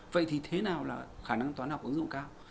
vậy thì thế nào là khả năng toán học ứng dụng cao